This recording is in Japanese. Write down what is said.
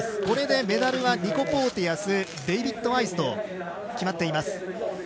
これでメダルはニコ・ポーティアスデイビッド・ワイズと決まっています。